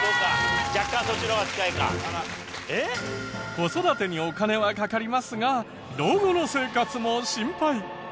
子育てにお金はかかりますが老後の生活も心配。